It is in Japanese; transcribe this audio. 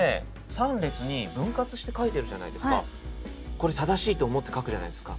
これ正しいと思って書くじゃないですか。